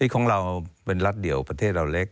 ของเราเป็นรัฐเดี่ยวประเทศเราเล็ก